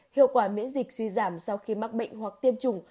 hiệu quả miễn dịch suy giảm sau khi mắc bệnh hoặc tiêm chủng